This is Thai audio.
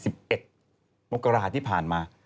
โบกราญที่ผ่านมา